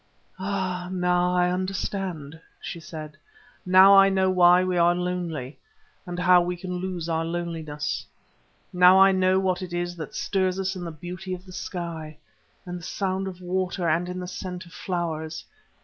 "Ah, now I understand," she said, "now I know why we are lonely, and how we can lose our loneliness. Now I know what it is that stirs us in the beauty of the sky, in the sound of water and in the scent of flowers.